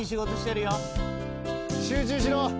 集中しろ。